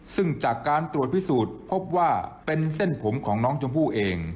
ซึ่งจากการตรวจพิสูจน์พบว่าเป็นเส้นผมของน้องชมพู่เอง